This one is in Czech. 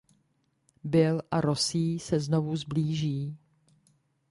Bill a Rosie se znovu sblíží.